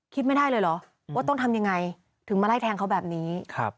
คิดไม่ได้เลยเหรอว่าต้องทำยังไงถึงมาไล่แทงเขาแบบนี้